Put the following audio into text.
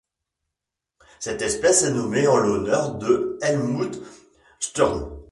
Cette espèce est nommée en l'honneur de Helmut Sturm.